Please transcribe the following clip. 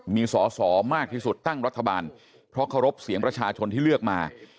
มีสอสอมากที่สุดตั้งรัฐบาลเพราะเคารพเสียงประชาชนที่เลือกมา